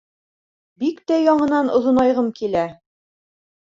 Бик тә яңынан оҙонайғым килә.